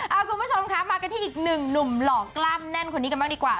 เอาคุณผู้ชมค่ะมากันที่อีกหนึ่งหนุ่มหล่อกล้ามแน่นคนนี้กันบ้างดีกว่า